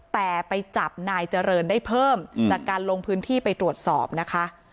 แต่ไปจับนายเจริญได้เพิ่มจากการลงพื้นที่ไปตรวจสอบนะคะ